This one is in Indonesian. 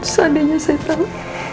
seandainya saya tahu